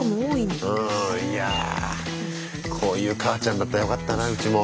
うんいやこういう母ちゃんだったらよかったなうちも。